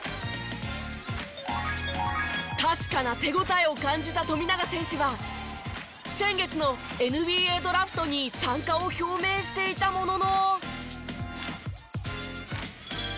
確かな手応えを感じた富永選手は先月のＮＢＡドラフトに参加を表明していたものの。